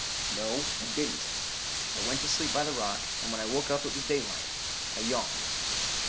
"No, I didn't. I went to sleep by the rock and when I woke up it was daylight. I yawned."